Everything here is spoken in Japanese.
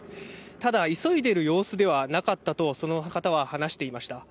ただ、急いでいる様子ではなかったと、その方は話していました。